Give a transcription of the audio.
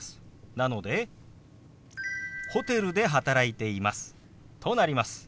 なので「ホテルで働いています」となります。